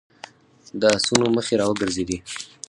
د آسونو مخې را وګرځېدې.